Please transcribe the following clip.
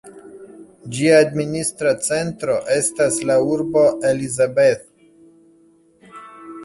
Ĝia administra centro estas la urbo Elizabeth.